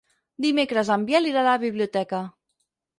Dimecres en Biel irà a la biblioteca.